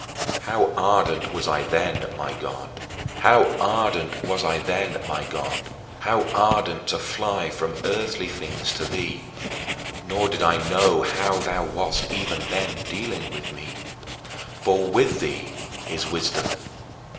8. How ardent was I then, my God, how ardent to fly from earthly things to thee! Nor did I know how thou wast even then dealing with me. For with thee is wisdom.